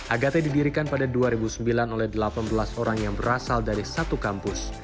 agate didirikan pada dua ribu sembilan oleh delapan belas orang yang berasal dari satu kampus